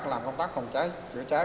làm công tác phòng cháy chữa cháy